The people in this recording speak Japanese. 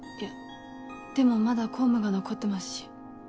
でもまだ公務が残ってますし。